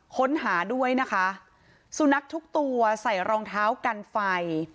ค้นหาด้วยนะคะสุนัขทุกตัวใส่รองเท้ากันไฟ